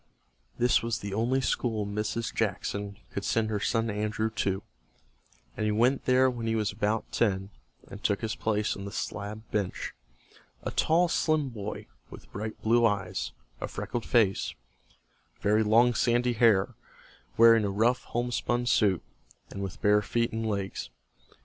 This was the only school Mrs. Jackson could send her son Andrew to, and he went there when he was about ten, and took his place on the slab bench, a tall, slim boy, with bright blue eyes, a freckled face, very long sandy hair, wearing a rough homespun suit, and with bare feet and legs.